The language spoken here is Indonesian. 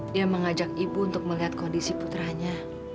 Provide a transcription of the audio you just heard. dia mengajak ibu untuk melihat kondisi putranya